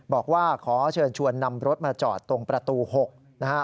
บอกว่าขอเชิญชวนนำรถมาจอดตรงประตู๖นะฮะ